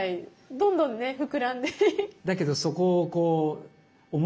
どんどんね膨らんで。